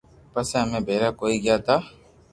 پسي امي ڀيراڪوئي گيا تا